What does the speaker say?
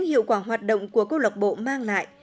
hiệu quả hoạt động của câu lạc bộ mang lại